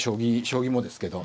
将棋もですけど。